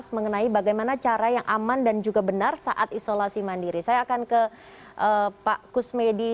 terima kasih pak kusmedi